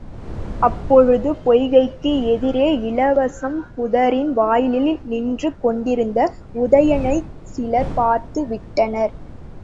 அப்போது பொய்கைக்கு எதிரே இலவம் புதரின் வாயிலில் நின்று கொண்டிருந்த உதயணனைச் சிலர் பார்த்து விட்டனர்.